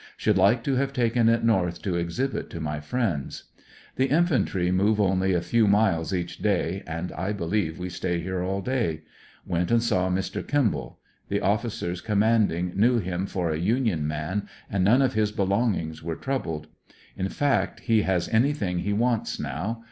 Should like to have taken it North to exhibit to my friends. The infantry move only a few miles each daj^ and I believe we stay here all day. Went and saw Mr. Kimball. The ofiicers commanding knew him for a Union man, and none of his belongings were troubled. In fact, he has anything he wants now.